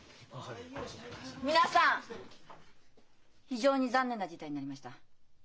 非常に残念な事態になりました。